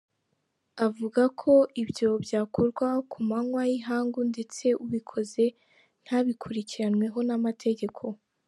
Avuga ko ibyo byakorwaga ku manywa y’ihangu ndetse ubikoze ntabikurikiranweho n’amategeko.